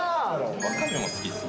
ワカメも好きですね。